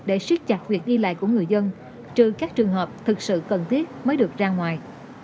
để siết chặt việc đi lại của người dân trừ các trường hợp thực sự cần thiết mới được ra ngoài